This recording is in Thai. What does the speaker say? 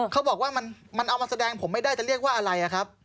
เขาบอกว่ามันเอามาแสดงผมไม่ได้จะเรียกว่าอะไรครับ